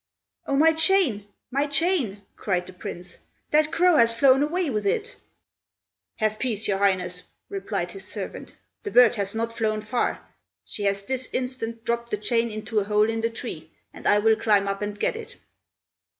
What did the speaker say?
"Oh! my chain! my chain!" cried the Prince. "That crow has flown away with it!" "Have peace, your Highness!" replied his servant. "The bird has not flown far; she has this instant dropped the chain into a hole in the tree, and I will climb up and get it."